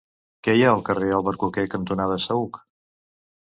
Què hi ha al carrer Albercoquer cantonada Saüc?